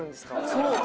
そう！